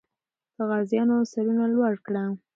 د غازیانو سرونه لوړ کړه.